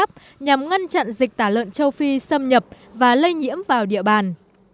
băn chặn dịch tả lợn châu phi xâm nhập và lây nhiễm vào địa bàn